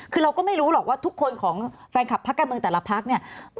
คือเราก็ไม่รู้หรอกว่าทุกคนของแฟนคลับพักการเมืองแต่ละพักเนี่ย